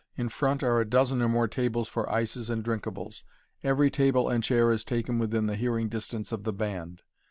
In front are a dozen or more tables for ices and drinkables. Every table and chair is taken within hearing distance of the band.